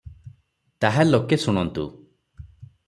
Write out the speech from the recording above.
ତାହା ଲୋକେ ଶୁଣନ୍ତୁ